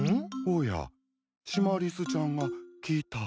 おやシマリスちゃんが来た。